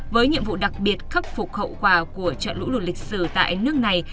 với nhiệm vụ đặc biệt khắc phục hậu quả của trận lũ lụt lịch sử tại nước này